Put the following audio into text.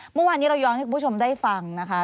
เมื่อวานนี้เราย้อนให้คุณผู้ชมได้ฟังนะคะ